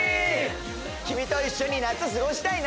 君と一緒に夏過ごしたいな！